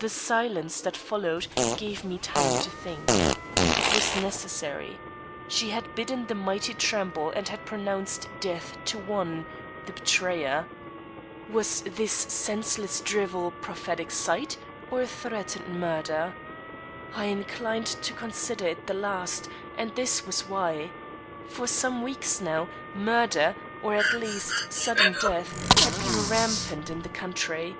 The silence that followed, gave me time to think. It was necessary. She had bidden the mighty tremble and had pronounced death to one the betrayer. Was this senseless drivel, prophetic sight, or threatened murder? I inclined to consider it the last, and this was why: For some weeks now, murder, or, at least, sudden death, had been rampant in the country.